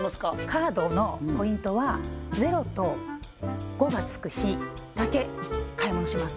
カードのポイントは０と５がつく日だけ買い物します